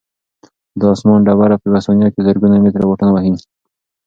دا آسماني ډبره په یوه ثانیه کې زرګونه متره واټن وهي.